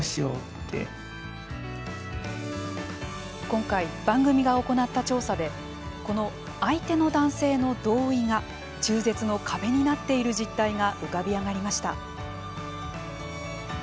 今回、番組が行った調査でこの相手の男性の同意が中絶の壁になっている実態が浮かび上がりました。